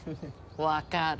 分かる。